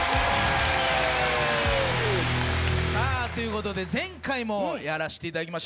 さあということで前回もやらせていただきました